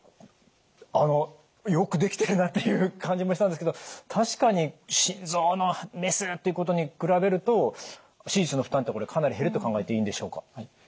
あのよくできてるなという感じもしたんですけど確かに心臓のメスということに比べると手術の負担ってこれかなり減ると考えていいんでしょうか？